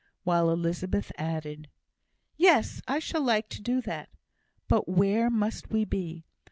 while Elizabeth added, "Yes! I shall like to do that. But where must we be?